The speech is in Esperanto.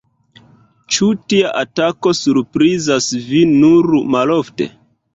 Ĉu tia atako surprizas vin nur malofte?